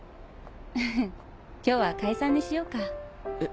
フフッ今日は解散にしようか。え？